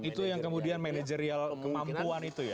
itu yang kemudian manajerial kemampuan itu ya